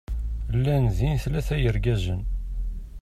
Llan din tlata yergazen.